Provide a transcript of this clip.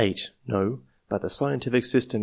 No ; but the scientific sys ^ T